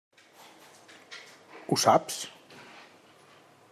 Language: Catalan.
Ho saps?